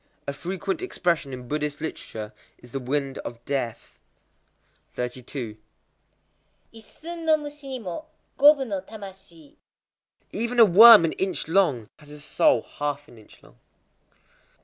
A frequent expression in Buddhist literature is "the Wind of Death." 32.—Issun no mushi ni mo, gobu no tamashii. Even a worm an inch long has a soul half an inch long.